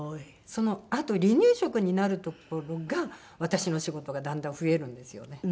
そのあと離乳食になるところが私の仕事がだんだん増えるんですよね。